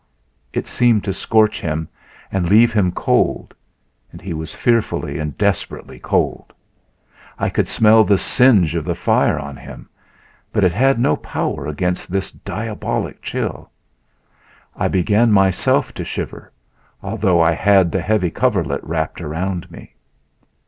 It seemed to scorch him and leave him cold and he was fearfully and desperately cold! I could smell the singe of the fire on him, but it had no power against this diabolic chill. I began myself to shiver, although I had the heavy coverlet wrapped around me.